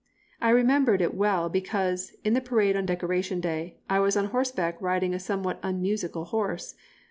I remembered it well because, in the parade on Decoration Day, I was on horseback riding a somewhat unmusical horse.